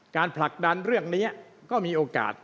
ผลักดันเรื่องนี้ก็มีโอกาส